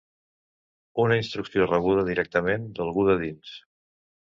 Una instrucció rebuda ‘directament d’algú de dins’